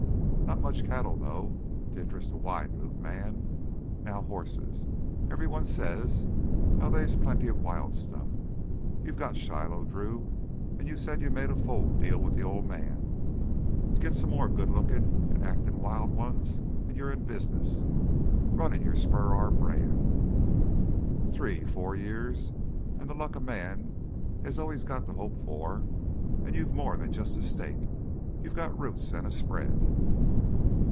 Not much cattle, though, to interest a wide loop man. Now hosses—everyone says as how they's plenty of wild stuff. You got you Shiloh, Drew, an' you said you made a foal deal with th' Old Man. Git some more good lookin' an' actin' wild ones an' you're in business—runnin' your Spur R brand. Three four years, an' th' luck a man has always got to hope for, an' you've more'n jus' a stake—you've got roots an' a spread!"